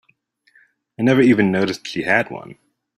I never even noticed she had one.